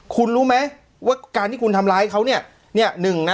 คุณรู้ไหมว่าการที่คุณทำร้ายเขาเนี่ยหนึ่งนะ